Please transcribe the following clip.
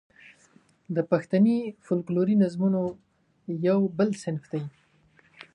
د پښتني فوکلوري نظمونو یو بل صنف دی.